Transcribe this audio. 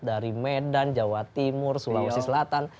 dari medan jawa timur sulawesi selatan